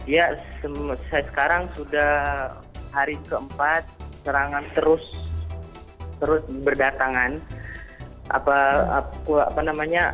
ya saya sekarang sudah hari keempat serangan terus berdatangan